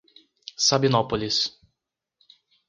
Sabinópolis